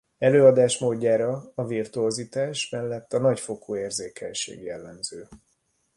Előadásmódjára a virtuozitás mellett a nagyfokú érzékenység jellemző.